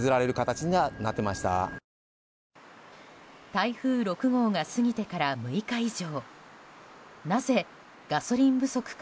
台風６号が過ぎてから６日以上。